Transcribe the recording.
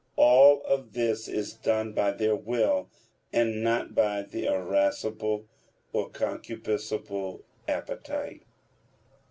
All of this is done by their will, and not by the irascible or concupiscible appetite.